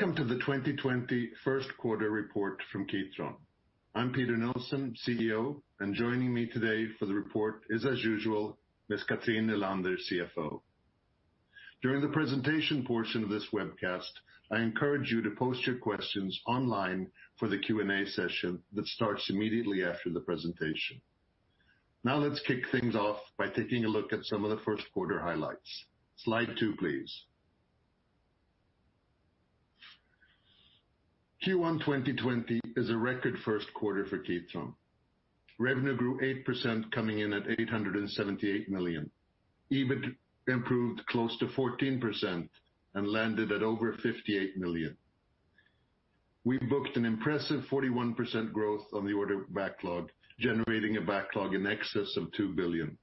Welcome to the 2020 first quarter report from Kitron. I'm Peter Nilsson, CEO, and joining me today for the report is, as usual, Ms. Cathrin Nylander, CFO. During the presentation portion of this webcast, I encourage you to post your questions online for the Q&A session that starts immediately after the presentation. Let's kick things off by taking a look at some of the first quarter highlights. Slide two, please. Q1 2020 is a record first quarter for Kitron. Revenue grew 8%, coming in at 878 million. EBIT improved close to 14% and landed at over 58 million. We booked an impressive 41% growth on the order backlog, generating a backlog in excess of 2 billion.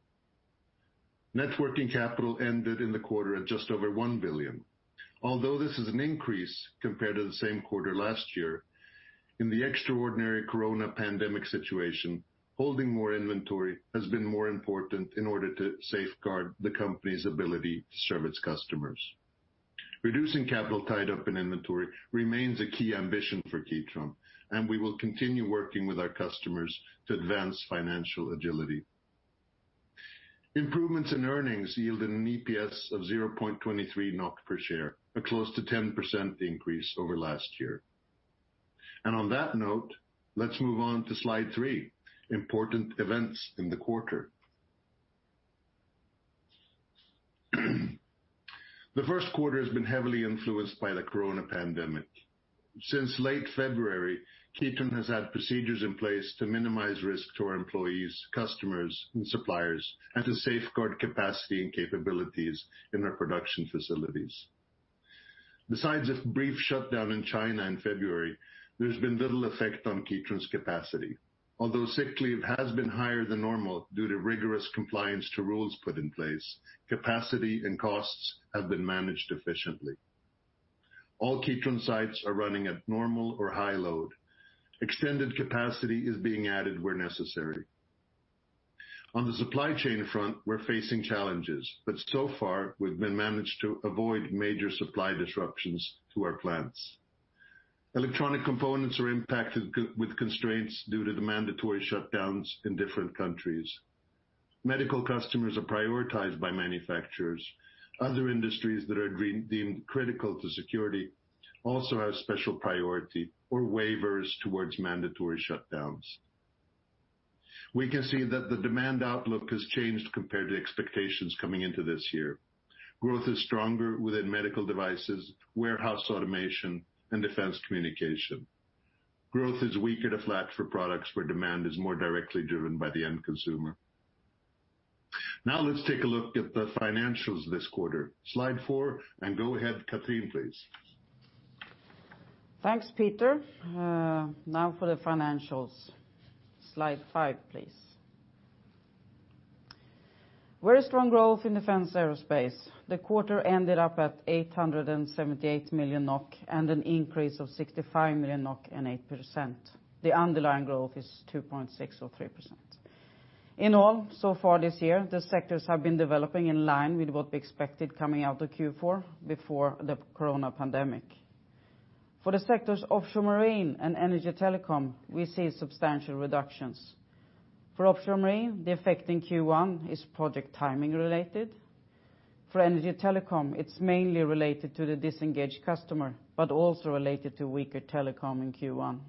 Net working capital ended in the quarter at just over 1 billion. Although this is an increase compared to the same quarter last year, in the extraordinary corona pandemic situation, holding more inventory has been more important in order to safeguard the company's ability to serve its customers. Reducing capital tied up in inventory remains a key ambition for Kitron, and we will continue working with our customers to advance financial agility. Improvements in earnings yielded an EPS of 0.23 NOK per share, a close to 10% increase over last year. On that note, let's move on to slide three, important events in the quarter. The first quarter has been heavily influenced by the corona pandemic. Since late February, Kitron has had procedures in place to minimize risk to our employees, customers, and suppliers, and to safeguard capacity and capabilities in our production facilities. Besides a brief shutdown in China in February, there's been little effect on Kitron's capacity. Although sick leave has been higher than normal due to rigorous compliance to rules put in place, capacity and costs have been managed efficiently. All Kitron sites are running at normal or high load. Extended capacity is being added where necessary. On the supply chain front, we're facing challenges, but so far we've managed to avoid major supply disruptions to our plants. Electronic components are impacted with constraints due to the mandatory shutdowns in different countries. Medical customers are prioritized by manufacturers. Other industries that are deemed critical to security also have special priority or waivers towards mandatory shutdowns. We can see that the demand outlook has changed compared to expectations coming into this year. Growth is stronger within Medical Devices, warehouse automation, and defense communication. Growth is weaker to flat for products where demand is more directly driven by the end consumer. Now let's take a look at the financials this quarter, slide four, and go ahead, Cathrin, please. Thanks, Peter. Now for the financials. Slide five, please. Very strong growth in Defense/Aerospace. The quarter ended up at 878 million NOK and an increase of 65 million NOK and 8%. The underlying growth is 2.6% or 3%. In all, so far this year, the sectors have been developing in line with what we expected coming out of Q4 before the corona pandemic. For the sectors offshore marine and energy telecom, we see substantial reductions. For offshore marine, the effect in Q1 is project timing related. For energy telecom, it's mainly related to the disengaged customer, but also related to weaker telecom in Q1.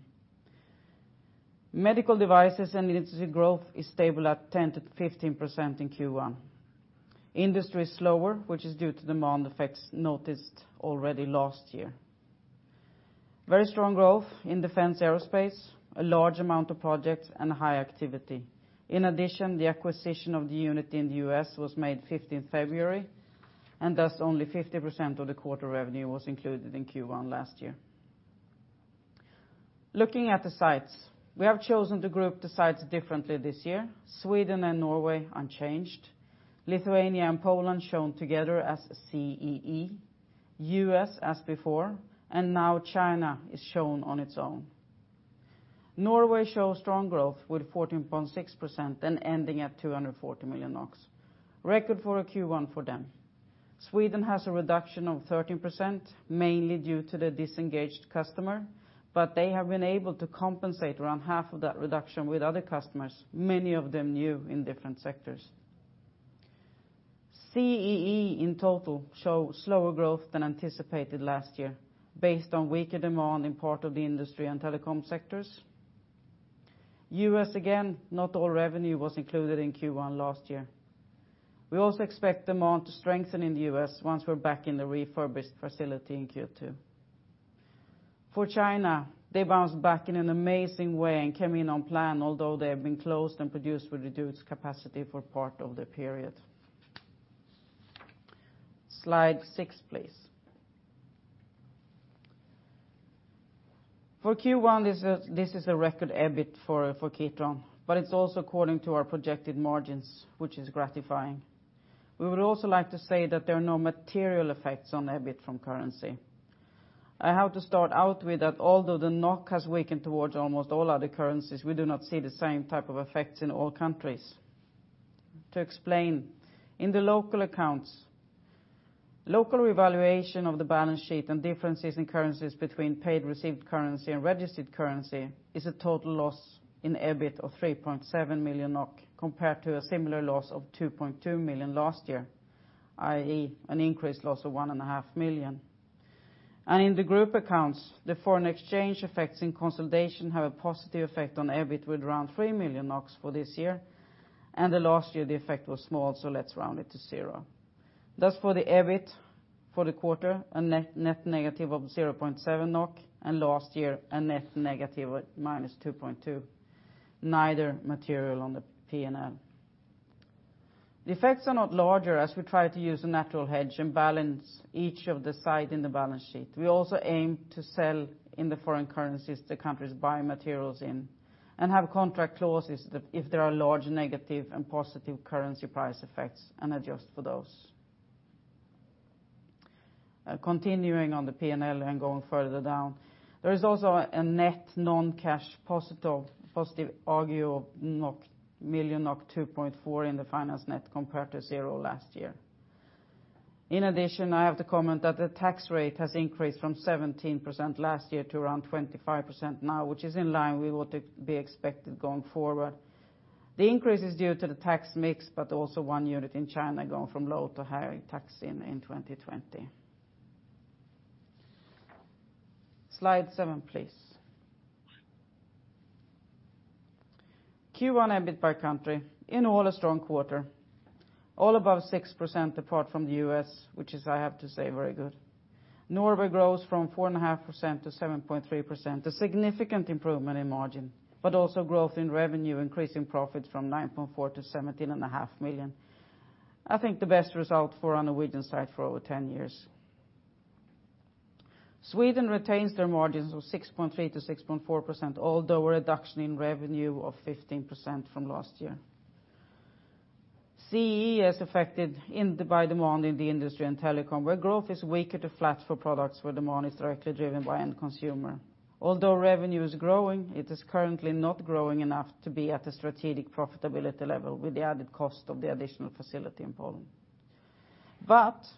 Medical Devices and industry growth is stable at 10%-15% in Q1. Industry is slower, which is due to demand effects noticed already last year. Very strong growth in Defense/Aerospace, a large amount of projects, and high activity. In addition, the acquisition of the unit in the U.S. was made 15 February, and thus only 50% of the quarter revenue was included in Q1 last year. Looking at the sites, we have chosen to group the sites differently this year. Sweden and Norway unchanged. Lithuania and Poland shown together as CEE. U.S. as before, and now China is shown on its own. Norway shows strong growth with 14.6% and ending at 240 million NOK. Record for a Q1 for them. Sweden has a reduction of 13%, mainly due to the disengaged customer, but they have been able to compensate around half of that reduction with other customers, many of them new in different sectors. CEE in total show slower growth than anticipated last year, based on weaker demand in part of the industry and telecom sectors. U.S. again, not all revenue was included in Q1 last year. We also expect demand to strengthen in the U.S. once we're back in the refurbished facility in Q2. For China, they bounced back in an amazing way and came in on plan although they have been closed and produced with reduced capacity for part of the period. Slide six, please. For Q1, this is a record EBIT for Kitron, but it's also according to our projected margins, which is gratifying. We would also like to say that there are no material effects on EBIT from currency. I have to start out with that although the NOK has weakened towards almost all other currencies, we do not see the same type of effects in all countries. To explain, in the local accounts, local revaluation of the balance sheet and differences in currencies between paid received currency and registered currency is a total loss in EBIT of 3.7 million NOK, compared to a similar loss of 2.2 million last year, i.e., an increased loss of 1.5 million. In the group accounts, the foreign exchange effects in consolidation have a positive effect on EBIT with around 3 million NOK for this year, and the last year the effect was small, so let's round it to zero. Thus, for the EBIT for the quarter, a net negative of 0.7 NOK, and last year, a net negative with minus 2.2, neither material on the P&L. The effects are not larger, as we try to use a natural hedge and balance each of the site in the balance sheet. We also aim to sell in the foreign currencies the countries buy materials in and have contract clauses if there are large negative and positive currency price effects, and adjust for those. Continuing on the P&L and going further down, there is also a net non-cash positive agio of 2.4 million in the finance net compared to zero last year. In addition, I have to comment that the tax rate has increased from 17% last year to around 25% now, which is in line with what would be expected going forward. The increase is due to the tax mix, but also one unit in China going from low to high tax in 2020. Slide seven, please. Q1 EBIT by country. In all, a strong quarter, all above 6% apart from the U.S., which is, I have to say, very good. Norway grows from 4.5%-7.3%, a significant improvement in margin, but also growth in revenue, increasing profits from 9.4 million-17.5 million. I think the best result for our Norwegian site for over 10 years. Sweden retains their margins of 6.3%-6.4%, although a reduction in revenue of 15% from last year. CEE is affected by demand in the industry and telecom, where growth is weaker to flat for products where demand is directly driven by end consumer. Although revenue is growing, it is currently not growing enough to be at the strategic profitability level with the added cost of the additional facility in Poland.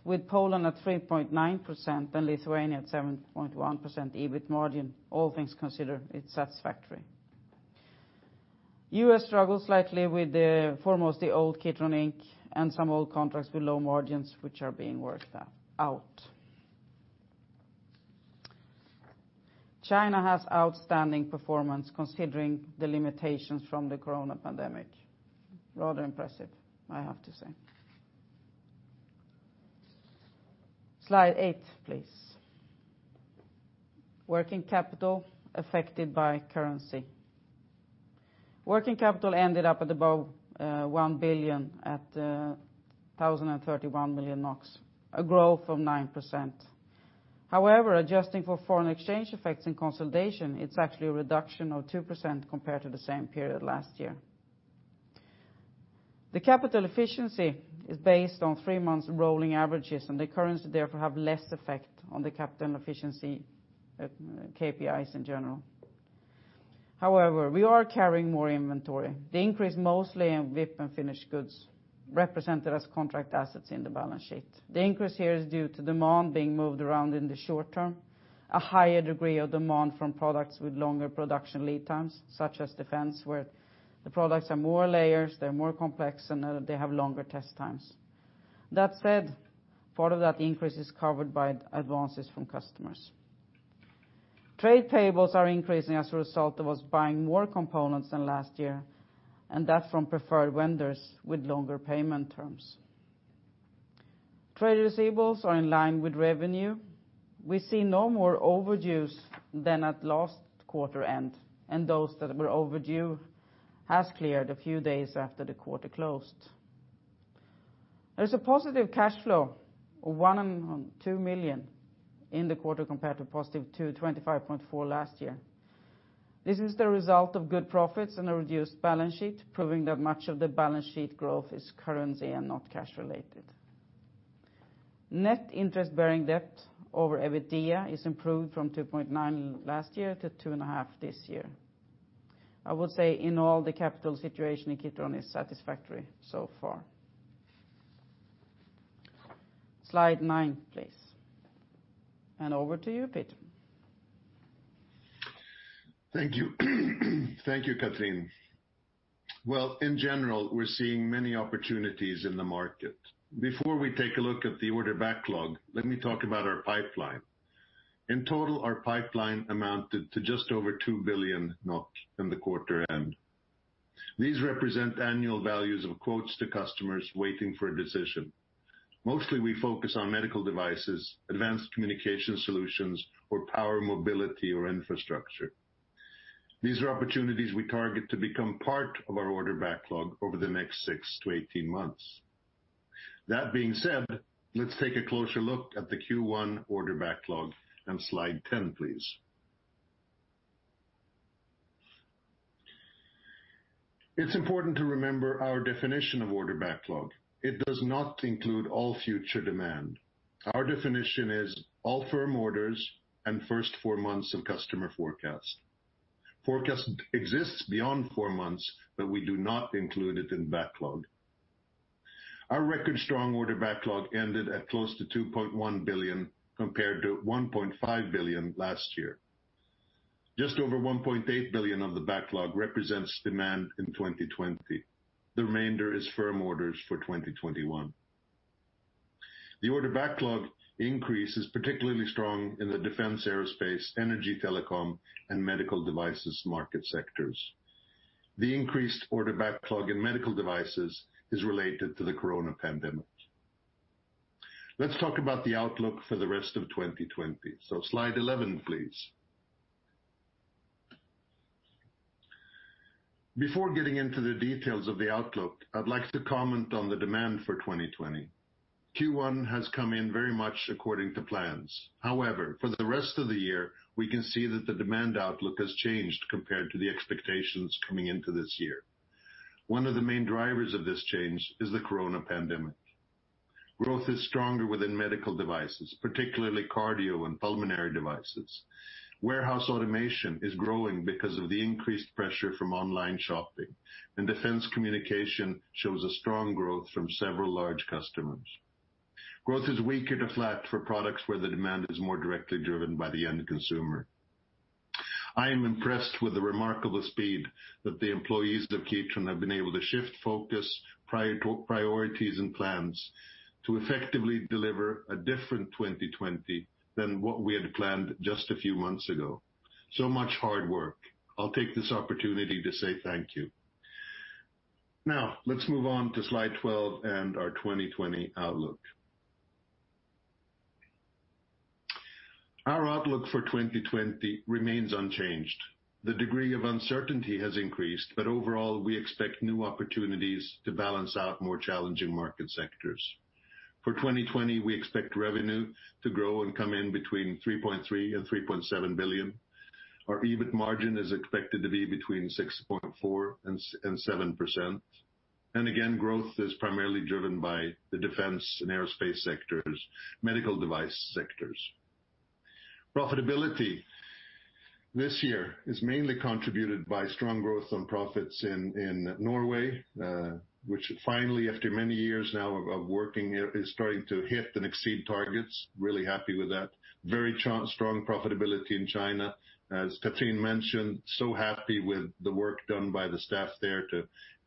With Poland at 3.9% and Lithuania at 7.1% EBIT margin, all things considered, it's satisfactory. U.S. struggles slightly with foremost the old Kitron Inc. and some old contracts with low margins, which are being worked out. China has outstanding performance considering the limitations from the coronavirus pandemic. Rather impressive, I have to say. Slide eight, please. Working capital affected by currency. Working capital ended up at above 1 billion at 1,031 million NOK, a growth of 9%. However, adjusting for foreign exchange effects in consolidation, it's actually a reduction of 2% compared to the same period last year. The capital efficiency is based on three months rolling averages, and the currency therefore have less effect on the capital efficiency KPIs in general. However, we are carrying more inventory. The increase mostly in WIP and finished goods represented as contract assets in the balance sheet. The increase here is due to demand being moved around in the short term, a higher degree of demand from products with longer production lead times, such as defense, where the products are more layers, they're more complex, and they have longer test times. That said, part of that increase is covered by advances from customers. Trade payables are increasing as a result of us buying more components than last year, and that from preferred vendors with longer payment terms. Trade receivables are in line with revenue. We see no more overdues than at last quarter-end, and those that were overdue has cleared a few days after the quarter closed. There's a positive cash flow of 1.2 million in the quarter compared to positive 25.4 million last year. This is the result of good profits and a reduced balance sheet, proving that much of the balance sheet growth is currency and not cash related. Net interest-bearing debt over EBITDA is improved from 2.9 last year to 2.5 this year. I would say in all the capital situation in Kitron is satisfactory so far. Slide nine, please. Over to you, Peter. Thank you, Cathrin. In general, we're seeing many opportunities in the market. Before we take a look at the order backlog, let me talk about our pipeline. In total, our pipeline amounted to just over 2 billion in the quarter end. These represent annual values of quotes to customers waiting for a decision. Mostly, we focus on Medical Devices, advanced communication solutions or power mobility or infrastructure. These are opportunities we target to become part of our order backlog over the next 6-18 months. That being said, let's take a closer look at the Q1 order backlog on slide 10, please. It's important to remember our definition of order backlog. It does not include all future demand. Our definition is all firm orders and first four months of customer forecast. Forecast exists beyond four months, we do not include it in backlog. Our record strong order backlog ended at close to 2.1 billion, compared to 1.5 billion last year. Just over 1.8 billion of the backlog represents demand in 2020. The remainder is firm orders for 2021. The order backlog increase is particularly strong in the Defense, Aerospace, Energy, Telecom, and Medical Devices market sectors. The increased order backlog in Medical Devices is related to the coronavirus pandemic. Let's talk about the outlook for the rest of 2020. Slide 11, please. Before getting into the details of the outlook, I'd like to comment on the demand for 2020. Q1 has come in very much according to plans. However, for the rest of the year, we can see that the demand outlook has changed compared to the expectations coming into this year. One of the main drivers of this change is the coronavirus pandemic. Growth is stronger within medical devices, particularly cardio and pulmonary devices. Warehouse automation is growing because of the increased pressure from online shopping. Defense communication shows a strong growth from several large customers. Growth is weaker to flat for products where the demand is more directly driven by the end consumer. I am impressed with the remarkable speed that the employees of Kitron have been able to shift focus, priorities, and plans to effectively deliver a different 2020 than what we had planned just a few months ago. Much hard work. I'll take this opportunity to say thank you. Let's move on to slide 12 and our 2020 outlook. Our outlook for 2020 remains unchanged. The degree of uncertainty has increased, but overall, we expect new opportunities to balance out more challenging market sectors. For 2020, we expect revenue to grow and come in between 3.3 billion and 3.7 billion. Our EBIT margin is expected to be between 6.4% and 7%. Again, growth is primarily driven by the Defense/Aerospace sectors, Medical Devices sectors. Profitability this year is mainly contributed by strong growth on profits in Norway, which finally, after many years now of working, is starting to hit and exceed targets. Really happy with that. Very strong profitability in China, as Cathrin mentioned. Happy with the work done by the staff there to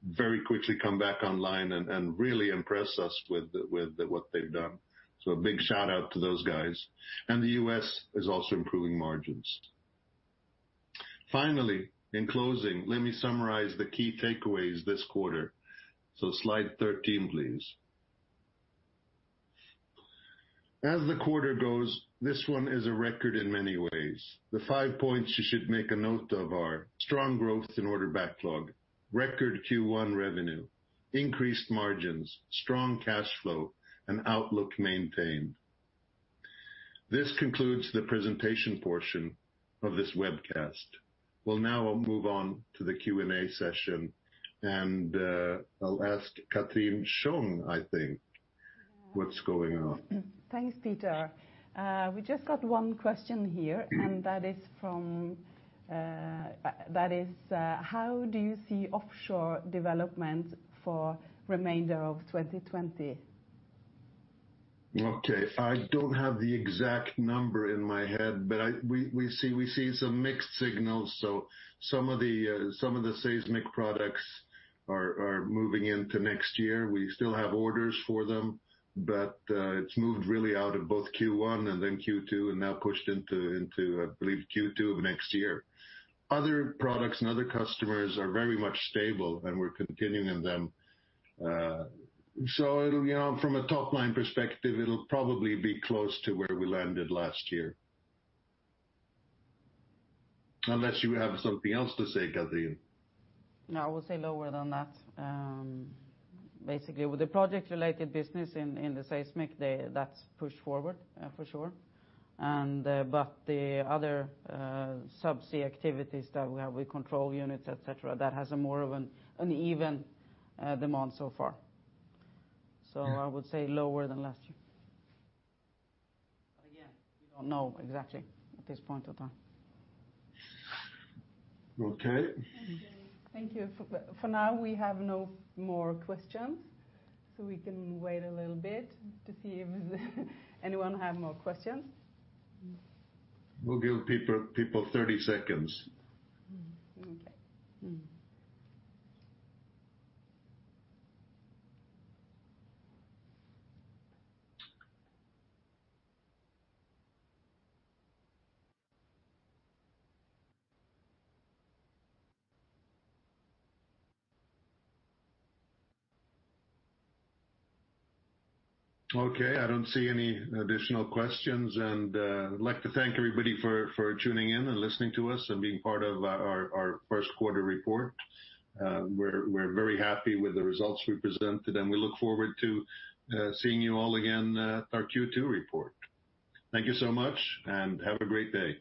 very quickly come back online and really impress us with what they've done. A big shout-out to those guys. The U.S. is also improving margins. Finally, in closing, let me summarize the key takeaways this quarter. Slide 13, please. As the quarter goes, this one is a record in many ways. The five points you should make a note of are strong growth in order backlog, record Q1 revenue, increased margins, strong cash flow, and outlook maintained. This concludes the presentation portion of this webcast. We'll now move on to the Q&A session, and I'll ask Katrin Schön, I think. What's going on? Thanks, Peter. We just got one question here, and that is how do you see offshore development for remainder of 2020? Okay. I don't have the exact number in my head, but we see some mixed signals. Some of the seismic products are moving into next year. We still have orders for them, but it's moved really out of both Q1 and Q2, and now pushed into, I believe, Q2 of next year. Other products and other customers are very much stable, and we're continuing them. From a top-line perspective, it'll probably be close to where we landed last year. Unless you have something else to say, Cathrin. I will say lower than that. Basically, with the project-related business in the seismic, that's pushed forward, for sure. The other subsea activities that we have with control units, et cetera, that has a more of an even demand so far. I would say lower than last year. Again, we don't know exactly at this point in time. Okay. Thank you. For now, we have no more questions, so we can wait a little bit to see if anyone have more questions. We'll give people 30 seconds. Okay. Mm-hmm. Okay. I don't see any additional questions. I'd like to thank everybody for tuning in and listening to us and being part of our first quarter report. We're very happy with the results we presented. We look forward to seeing you all again at our Q2 report. Thank you so much. Have a great day.